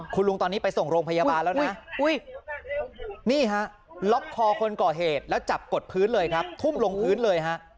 คุณลุงตอนนี้ไปส่งโรงพยาบาลแล้วนะนี่ฮะล็อกคอคนก่อเหตุแล้วจับกดพื้นเลยครับทุ่มลงพื้นเลยฮะ